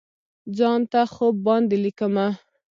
ځان ته خوب باندې لیکمه